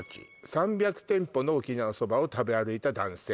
「３００店舗の沖縄そばを食べ歩いた男性」